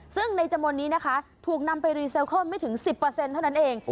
ซึ่งในจมนต์นี้นะคะถูกนำไปไม่ถึงสิบเปอร์เซ็นต์เท่านั้นเอง